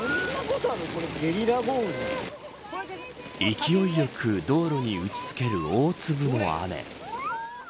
勢いよく道路に打ちつける大粒の雨。